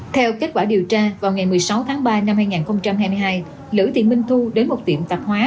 theo kết quả điều tra vào ngày một mươi sáu tháng ba năm hai nghìn hai mươi hai lữ thị minh thu đến một tiệm tạp hóa